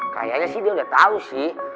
kayaknya sih dia udah tau sih